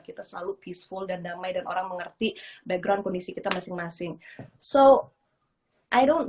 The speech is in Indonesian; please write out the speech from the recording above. kita selalu peaceful dan damai dan orang mengerti background kondisi kita masing masing so i ⁇ dont ⁇